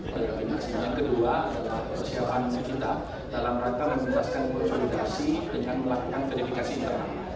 pertama pemilihan kedua dalam persiapan sekitar dalam rata memperluaskan konsolidasi dengan melakukan verifikasi internal